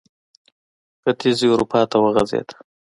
ختیځې اروپا ته وغځېد.